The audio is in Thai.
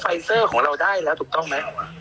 เซอร์ของเราได้แล้วถูกต้องไหม